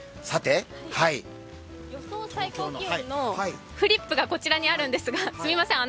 予想最高気温のフリップがこちらにあるんですが。